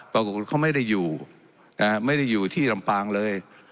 ปรากฏเขาไม่ได้อยู่ไม่ได้อยู่ที่ลำปางเลย